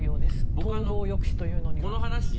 統合抑止というのには。